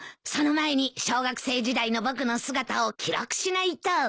その前に小学生時代の僕の姿を記録しないと。